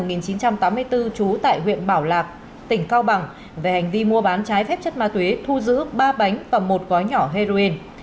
năm một nghìn chín trăm tám mươi bốn trú tại huyện bảo lạp tỉnh cao bằng về hành vi mua bán trái phép chất ma túy thu giữ ba bánh và một gói nhỏ heroin